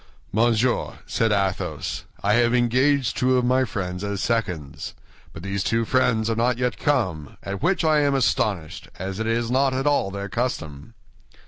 "Monsieur," said Athos, "I have engaged two of my friends as seconds; but these two friends are not yet come, at which I am astonished, as it is not at all their custom."